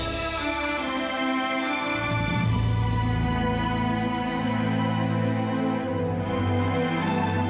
untuk menikahi ibu di tanjung gelorok